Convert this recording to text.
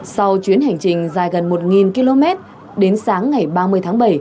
sau chuyến hành trình dài gần một km đến sáng ngày ba mươi tháng bảy